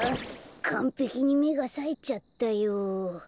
かんぺきにめがさえちゃったよ。